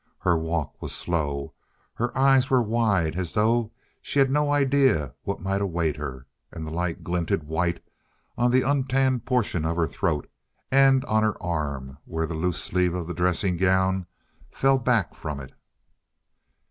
Her walk was slow, her eyes were wide as though she had no idea what might await her, and the light glinted white on the untanned portion of her throat, and on her arm where the loose sleeve of the dressing gown fell back from it.